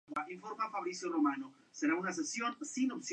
En esta tira aparece junto a Ana Fernández entre otros actores.